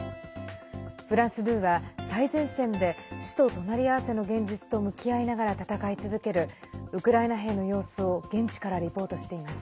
フランス２は、最前線で死と隣り合わせの現実と向き合いながら戦い続けるウクライナ兵の様子を現地からリポートしています。